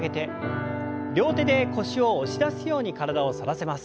両手で腰を押し出すように体を反らせます。